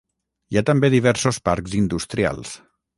Hi ha també diversos parcs industrials.